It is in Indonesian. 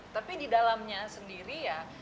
tapi di dalamnya sendiri